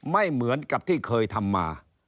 ไม่เหมือนกับที่เคยทำมา